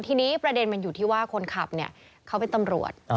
ทีนี้ประเด็นมันอยู่ที่ว่าคนขับเนี่ยเขาเป็นตำรวจ